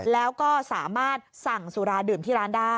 แล้วก็สามารถสั่งสุราดื่มที่ร้านได้